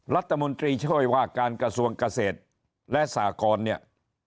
ลัฐมนตรีเช่นการกระสวงกระเศษและสากรเนี่ย